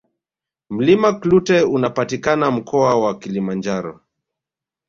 mlima klute unapatikana mkoa wa kilimanjaro